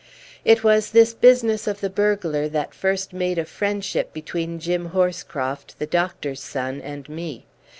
It was this business of the burglar that first made a friendship between Jim Horscroft, the doctor's son, and me.